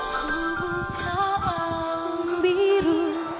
sungguh kapal macht biru